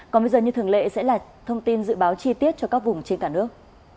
còn bây giờ như thường lệ sẽ là thông tin dự báo chi tiết cho các vùng trên cả nước